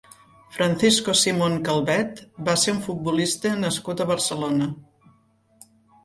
Francisco Simón Calvet va ser un futbolista nascut a Barcelona.